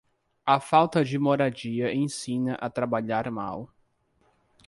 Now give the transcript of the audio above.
A falta de moradia ensina a trabalhar mal.